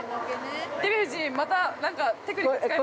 デヴィ夫人、またなんかテクニック使いました？